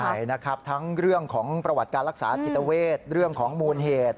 ใช่นะครับทั้งเรื่องของประวัติการรักษาจิตเวทเรื่องของมูลเหตุ